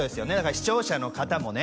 視聴者の方もね